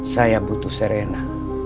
saya butuh serena